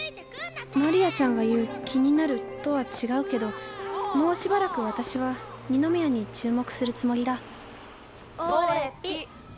マリアちゃんが言う気になるとは違うけどもうしばらく私は二宮に注目するつもりだオレッピ！